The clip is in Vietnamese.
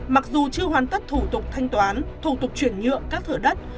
mặc dù chưa hoàn tất thủ tục thanh toán thủ tục chuyển nhượng các thửa đất